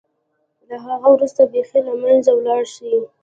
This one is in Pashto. له هغه وروسته بېخي له منځه ولاړه شي.